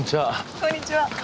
こんにちは。